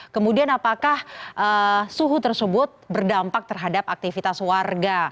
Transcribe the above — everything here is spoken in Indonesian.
kemudian apakah suhu tersebut berdampak terhadap aktivitas warga